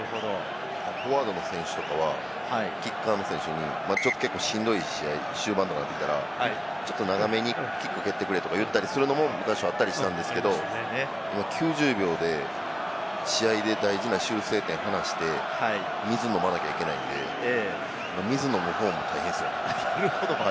フォワードの選手とかはキッカーの選手に結構しんどい試合、終盤とかだったら、ちょっと長めにキックを蹴ってくれとか言ったりするのも、昔はあったりしたんですけれども、９０秒で、試合で大事な修正点を話して、水を飲まなきゃいけないんで、水を飲む方も大変っすよ。